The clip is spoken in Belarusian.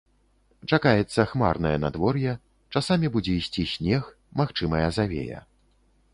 Чакаецца хмарнае надвор'е, часамі будзе ісці снег, магчымая завея.